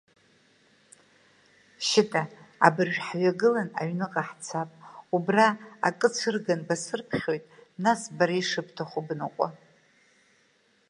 Шьыта, абыржәы ҳҩагылан аҩныҟа ҳцап, убра акы цәырган басырԥхьоит, нас бара ишыбҭаху бныҟәа…